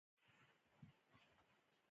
په قلم پوهه لیږدېږي.